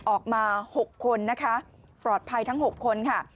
ออกมา๖คนนะคะปลอดภัยทั้ง๖คนค่ะ